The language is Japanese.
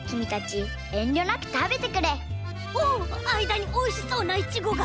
あいだにおいしそうなイチゴが！